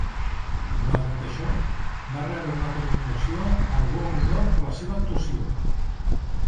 Malgrat això, va rebre una altra nominació al Globus d'Or per la seva actuació.